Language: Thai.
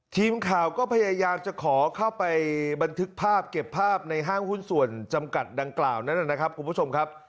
ทีมข่าวก็พยายามจะขอเข้าไปบันทึกภาพเก็บภาพในห้างหุ้นส่วนจำกัดดังกล่าวนั้นนะครับคุณผู้ชมครับ